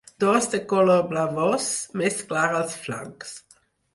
Dors de color blavós, més clar als flancs.